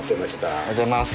おはようございます。